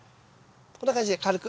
こんな感じで軽く。